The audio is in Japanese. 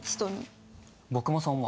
僕もそう思う。